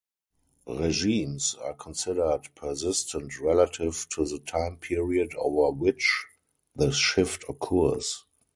Regimes are considered persistent relative to the time period over which the shift occurs.